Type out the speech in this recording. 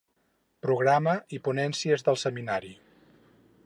Programa i ponències del seminari.